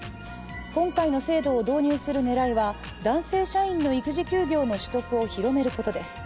今回の制度を導入する狙いは男性社員の育児休業の取得を広めることです。